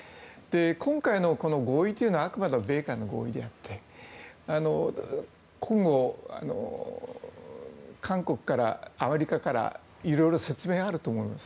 今回の合意というのはあくまでも米韓の合意であって今後、韓国やアメリカからいろいろ説明があると思います。